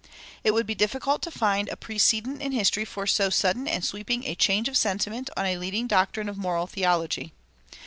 It would be difficult to find a precedent in history for so sudden and sweeping a change of sentiment on a leading doctrine of moral theology.